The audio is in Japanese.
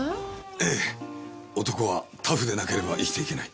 ええ男はタフでなければ生きていけない。